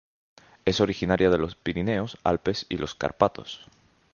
Es originaria de los Pirineos, Alpes y los Cárpatos.